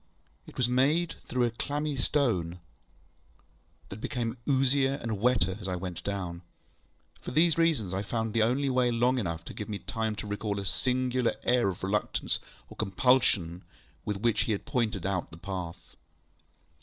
It was made through a clammy stone, that became oozier and wetter as I went down. For these reasons, I found the way long enough to give me time to recall a singular air of reluctance or compulsion with which he had pointed out the path.